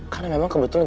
karena memang kebetulan